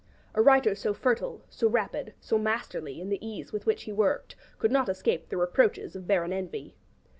A writer so fertile, so rapid, so masterly in the ease with which he worked, could not escape the reproaches of barren envy.